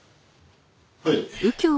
はい。